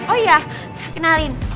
oh iya kenalin